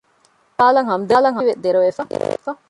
މާޒްގެ ހާލަށް ހަމްދަރުދީވެ ދެރަވެފަ